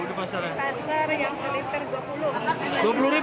di pasar yang satu liter dua puluh rupiah